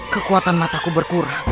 kekuatan mataku berkurang